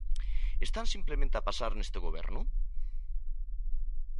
¿Están simplemente a pasar neste goberno?